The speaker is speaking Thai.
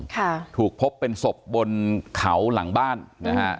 ค่ะถูกพบเป็นศพบนเขาหลังบ้านนะฮะ